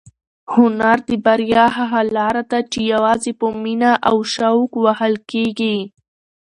هنر د بریا هغه لاره ده چې یوازې په مینه او شوق وهل کېږي.